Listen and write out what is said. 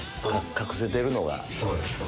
隠せてるのが。